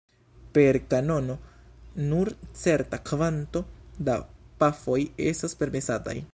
Per kanono nur certa kvanto da pafoj estas permesataj.